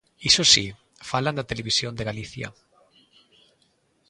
Iso si, falan da Televisión de Galicia.